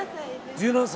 １７歳。